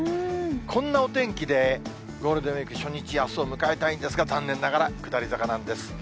こんなお天気で、ゴールデンウィーク初日あすを迎えたいんですが、残念ながら、下り坂なんです。